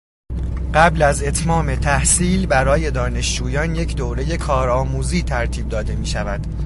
قبل از اتمام تحصیل برای دانشجویان یک دورهٔ کارآموزی ترتیب داده میشود.